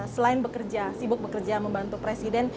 selain bekerja sibuk bekerja membantu presiden